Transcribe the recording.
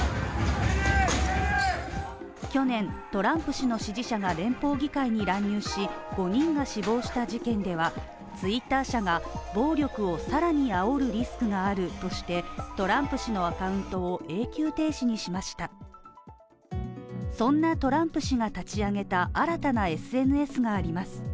去年、トランプ氏の支持者が連邦議会に乱入し、５人が死亡した事件ではツイッター社が暴力をさらに煽るリスクがあるとして、トランプ氏のアカウントを永久停止にしましたそんなトランプ氏が立ち上げた新たなＳＮＳがあります。